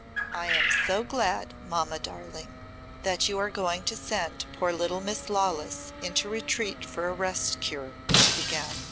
"I am so glad, mamma darling, that you are going to send poor little Miss Lawless into retreat for a rest cure," she began.